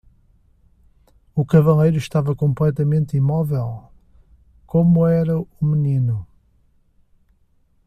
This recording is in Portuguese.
O cavaleiro estava completamente imóvel? como era o menino.